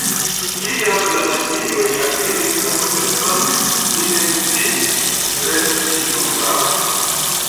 Kiam la nazioj akiris la potencon, li decidis resti neŭtrala.